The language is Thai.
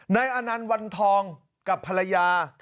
อนันต์วันทองกับภรรยา